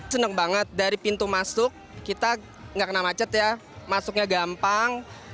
senang banget dari pintu masuk kita nggak kena macet ya masuknya gampang